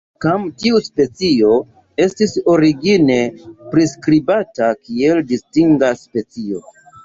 Kvankam tiu specio estis origine priskribata kiel distinga specio.